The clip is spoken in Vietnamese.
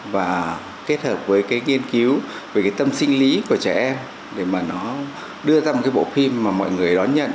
và kết hợp với cái nghiên cứu về cái tâm sinh lý của trẻ em để mà nó đưa ra một cái bộ phim mà mọi người đón nhận